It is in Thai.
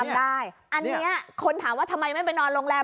ได้อันนี้คนถามว่าทำไมไม่ไปนอนโรงแรม